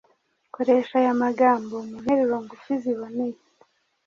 Koresha aya magambo mu nteruro ngufi ziboneye: